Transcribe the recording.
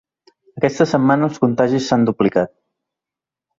Aquesta setmana els contagis s’han duplicat.